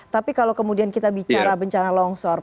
tapi kalau kemudian kita bicara bencana longsor